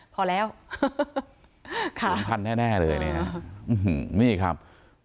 พอแล้วสงครรภ์แน่เลยเนี่ยนี่ครับ